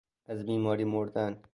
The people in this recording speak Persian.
از بیماری مردن